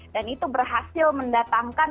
dan itu berhasil mendatangkan